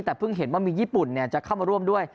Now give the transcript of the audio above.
แต่เพิ่งเห็นว่ามีญี่ปุ่นจะเข้ามาร่วมด้วย